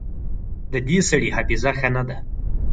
د دې سړي حافظه ښه نه ده